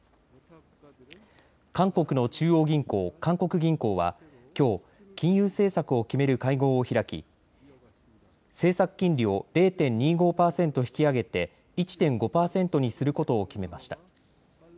韓国の中央銀行、韓国銀行はきょう、金融政策を決める会合を開き政策金利を０．２５％引き上げて１．５％にすることを決めました。